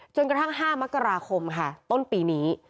จนกระทั่ง๕มกราคมค่ะต้นปีนี้